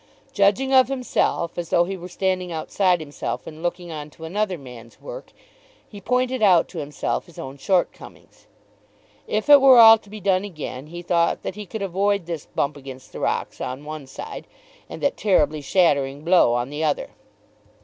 Judging of himself, as though he were standing outside himself and looking on to another man's work, he pointed out to himself his own shortcomings. If it were all to be done again he thought that he could avoid this bump against the rocks on one side, and that terribly shattering blow on the other.